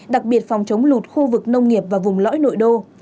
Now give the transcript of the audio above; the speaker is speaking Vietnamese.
đặc biệt phòng chống lụt khu vực nông nghiệp và vùng lõi nội đô